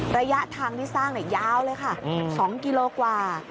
ระยะทางที่สร้างยาวเลยค่ะ๒กิโลกว่า